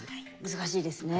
難しいですね。